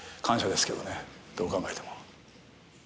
どう考えても。